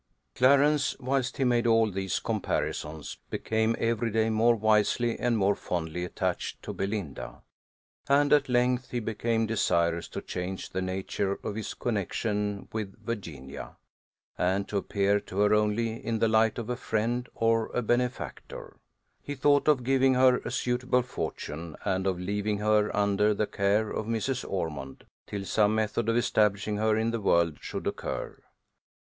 Clarence, whilst he made all these comparisons, became every day more wisely and more fondly attached to Belinda; and at length he became desirous to change the nature of his connexion with Virginia, and to appear to her only in the light of a friend or a benefactor. He thought of giving her a suitable fortune and of leaving her under the care of Mrs. Ormond, till some method of establishing her in the world should occur.